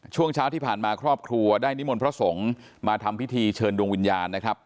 ช่วงเช้าที่ผ่านมาครอบครัวได้นิมนต์พระสงฆ์มาทำพิธีเชิญดวงวิญญาณนะครับ